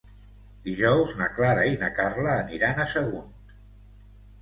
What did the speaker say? Dijous na Clara i na Carla aniran a Sagunt.